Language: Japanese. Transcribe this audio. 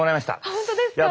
本当ですか？